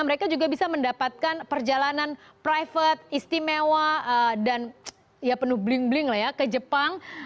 mereka juga bisa mendapatkan perjalanan private istimewa dan ya penuh bling bling lah ya ke jepang